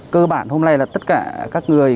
cơ bản hôm nay là tất cả các người